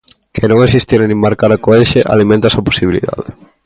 Que non asistira nin marcara co Elxe alimenta esa posibilidade.